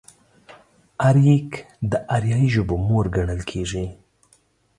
اريک د اريايي ژبو مور ګڼل کېږي.